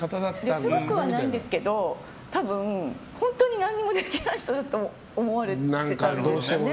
すごくはないんですけど多分本当に何もできない人だと思われてたんですかね。